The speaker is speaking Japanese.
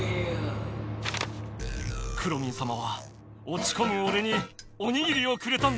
くろミンさまはおちこむおれにおにぎりをくれたんだ。